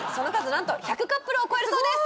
なんと１００カップルを超えるそうです！